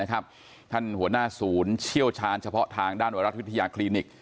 ท่านหัวหน้าศูนย์เชี่ยวชาญเฉพาะทางด้านไวรัสวิทยาคลินิก